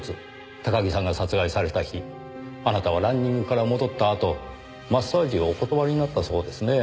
高木さんが殺害された日あなたはランニングから戻ったあとマッサージをお断りになったそうですね。